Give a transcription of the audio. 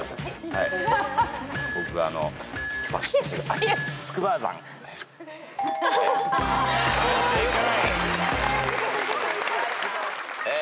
はい正解。